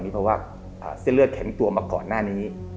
เพราะว่าเส้นเลือดแข็งตัวมาก่อนหน้านี้